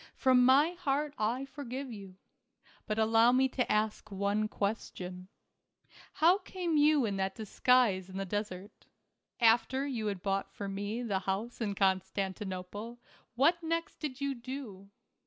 From my heart I forgive you. But allow me to ask one question. How came you in that dis guise in the desert ? After } r ou had bought for me the house in Constantinople, what next did you do